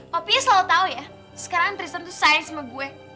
papi ya selalu tau ya sekarang tristan tuh sayang sama gue